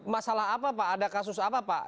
masalah apa pak ada kasus apa pak